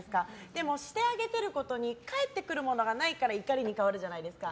でも、してあげてることに返ってくるものがないから怒りに変わるじゃないですか。